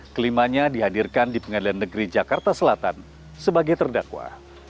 kelimanya dihadirkan di pengadilan negeri jakarta selatan sebagai terdakwa